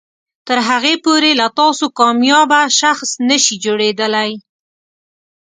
تر هغې پورې له تاسو کاميابه شخص نشي جوړیدلی